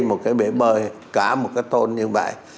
một cái bể bơi cả một cái tôn như vậy